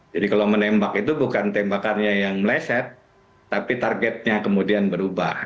jadi kalau menembak itu bukan tembakannya yang meleset tapi targetnya kemudian berubah